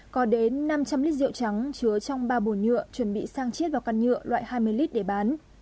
có đến năm trăm linh lít rượu trắng chứa trong ba bồn nhựa chuẩn bị sang chiết vào căn nhựa loại hai mươi lít để bán